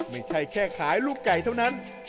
ไม่ใช่แค่ขายลูกไก่เท่านั้น